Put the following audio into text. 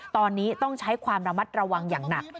ตอนนี้ต้องใช้ความระมัดระวังอย่างหนัก